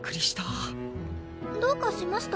どうかしました？